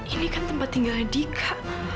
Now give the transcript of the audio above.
ini kan tempat tinggal dika